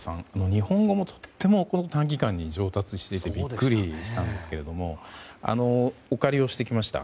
日本語もとっても短期間で上達していてビックリしたんですけどお借りをしてきました。